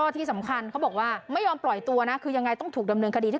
นี่แหละค่ะคุณผู้ชมครับ